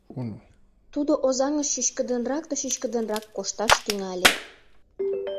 Тудо Озаҥыш чӱчкыдынрак да чӱчкыдынрак кошташ тӱҥале.